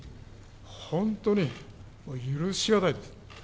本当に許し難いです。